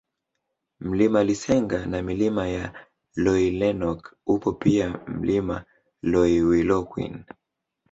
Mlima Lisenga na Milima ya Loilenok upo pia Mlima Loiwilokwin